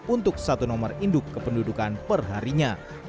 untuk satu nomor induk kependudukan perharinya